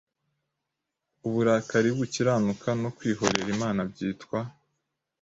Uburakari bukiranuka no kwihorera Imana byitwa